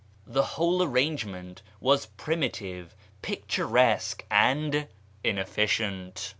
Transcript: The whole arrangement was primitive, picturesque, and inefficient.